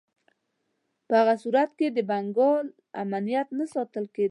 په هغه صورت کې د بنګال امنیت نه ساتل کېدی.